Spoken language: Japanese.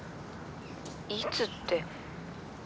「いつって」